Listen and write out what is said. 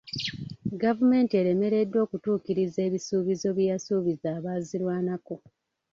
Gavumenti eremereddwa okutuukiriza ebisuubizo bye yasuubiza abaazirwanako.